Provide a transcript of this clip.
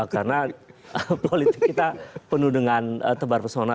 karena politik kita penuh dengan tebar persona